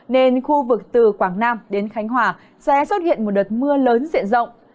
nên khu vực từ quảng nam đến khánh hòa sẽ xuất hiện một đợt mưa lớn diện rộng